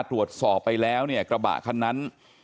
ตรวจสอบไปแล้วเนี่ยกระบะคันนั้น